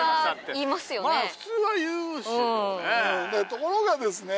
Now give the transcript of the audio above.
ところがですね